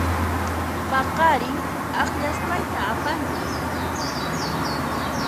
Paqarin akllasqayta apanki.